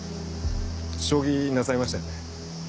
将棋なさいましたよね？